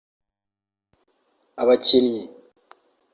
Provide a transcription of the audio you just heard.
Abakinnyi